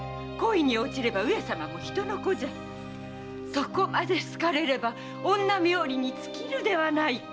そこまで好かれれば女冥利に尽きるではないか。